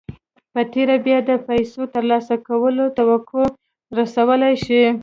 په تېره بيا د پيسو ترلاسه کولو توقع رسولای شئ.